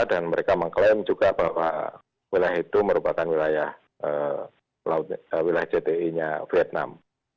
dan mereka mengklaim juga bahwa wilayah itu merupakan wilayah jdi nya vietnam